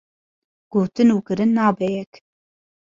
Gotin û kirin nabe yek.